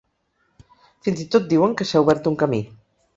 Fins i tot diuen que s’ha obert un camí.